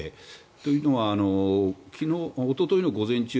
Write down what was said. というのは、おとといの午前中